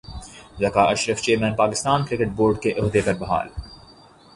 Zaka Ashraf chairman Pakistan cricket board کے عہدے پر بحال